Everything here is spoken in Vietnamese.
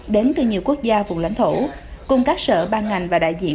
đến từ nhiều quốc gia vùng lãnh thổ cùng các sở ban ngành và đại diện